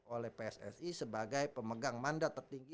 oleh pssi sebagai pemegang mandat tertinggi